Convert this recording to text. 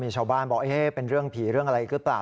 ชาวบ้านบอกเป็นเรื่องผีเรื่องอะไรหรือเปล่า